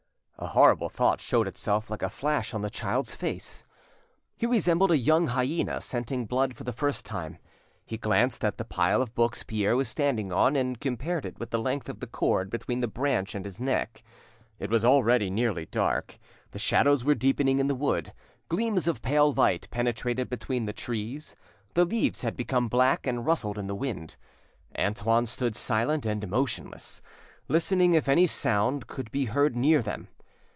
A horrible thought showed itself like a flash on the child's face. He resembled a young hyena scenting blood for the first time. He glanced at the pile of books Pierre was standing on, and compared it with the length of the cord between the branch and his neck. It was already nearly dark, the shadows were deepening in the wood, gleams of pale light penetrated between the trees, the leaves had become black and rustled in the wind. Antoine stood silent and motionless, listening if any sound could be heard near them.